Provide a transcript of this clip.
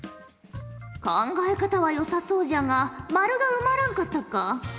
考え方はよさそうじゃが○が埋まらんかったか。